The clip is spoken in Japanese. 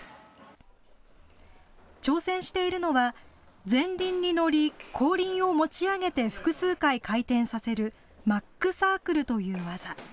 挑戦しているのは前輪に乗り、後輪を持ち上げて複数回、回転させるマックサークルという技。